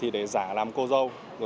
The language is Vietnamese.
để giả làm cô dâu